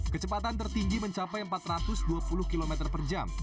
kecepatan tertinggi mencapai empat ratus dua puluh km per jam